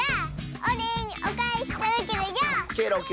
「おれいにおかえしとどけるよ」